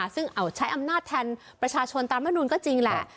ซึ่งใช้อำนาจแทนประชาชนตามรัฐมนุนก็จริงแหละ